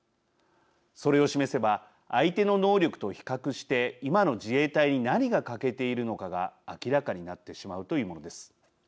それを示せば相手の能力と比較して今の自衛隊に何が欠けているのかが明らかになってしまうというものです。